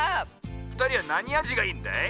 ふたりはなにあじがいいんだい？